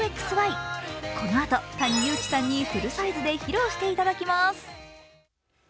このあとＴａｎｉＹｕｕｋｉさんにフルサイズで披露していただきます。